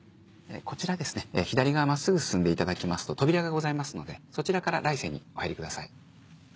こちらですね左側真っすぐ進んでいただきますと扉がございますのでそちらから来世にお入りください。